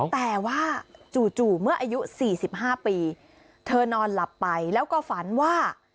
แต่ว่าจู่เมื่ออายุ๔๕ปีเธอนอนหลับไปแล้วก็ฝันว่า